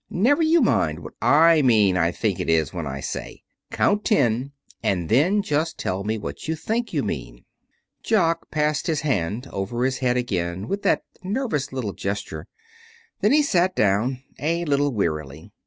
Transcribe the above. Never you mind what I mean I think it is when I say. Count ten, and then just tell me what you think you mean." Jock passed his hand over his head again with that nervous little gesture. Then he sat down, a little wearily.